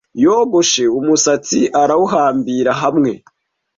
Yogoshe umusatsi arawuhambira hamwe.